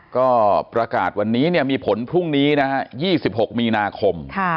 ก็ประกาศวันนี้มีผลพรุ่งนี้นะฮะ๒๖มีนาคม